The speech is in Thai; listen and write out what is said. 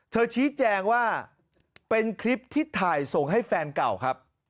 ชี้แจงว่าเป็นคลิปที่ถ่ายส่งให้แฟนเก่าครับ